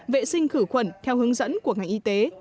vệ sinh khử khuẩn theo hướng dẫn của ngành y tế